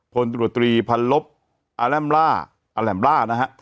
พลตรวจตรีพันลบอาแลมล่าอาแหลมล่านะฮะ